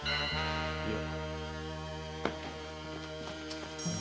いや。